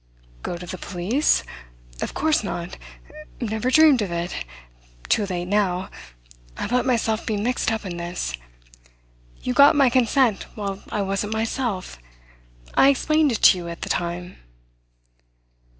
"Go to the police? Of course not. Never dreamed of it. Too late now. I've let myself be mixed up in this. You got my consent while I wasn't myself. I explained it to you at the time."